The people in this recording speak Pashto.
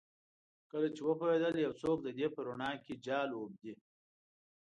کله چې وپوهیدل یو څوک د دې په روڼا کې جال اوبدي